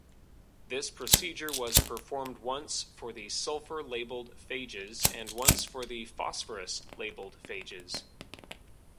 This procedure was performed once for the sulfur-labeled phages and once for phosphorus-labeled phages.